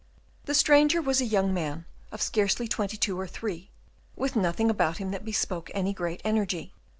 This stranger was a very young man, of scarcely twenty two or three, with nothing about him that bespoke any great energy.